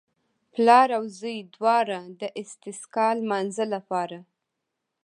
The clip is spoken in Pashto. پلار او زوی دواړو د استسقا لمانځه لپاره.